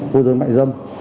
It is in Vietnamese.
mua dưới mại dâm